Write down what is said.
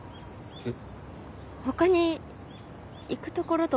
えっ！